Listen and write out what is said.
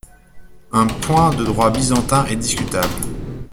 Un point de droit byzantin est discutable.